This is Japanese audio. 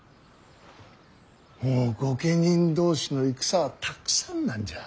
もう御家人同士の戦はたくさんなんじゃ。